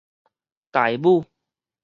大武